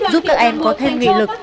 giúp các em có thêm nghị lực